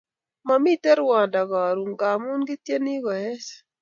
Mamiten rwando karun ngamun kityeni koeech